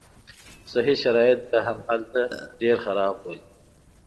صحي شرایط به هم هلته ډېر خراب وو.